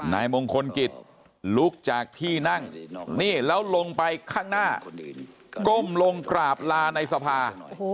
นายมงคลกิจลุกจากที่นั่งนี่แล้วลงไปข้างหน้าก้มลงกราบลาในสภา